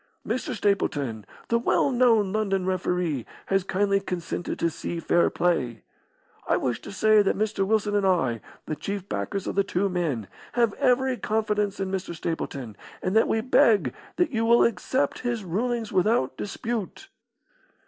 Mr. Stapleton, the well known London referee, has kindly consented to see fair play. I wish to say that Mr. Wilson and I, the chief backers of the two men, have every confidence in Mr. Stapleton, and that we beg that you will accept his rulings without dispute."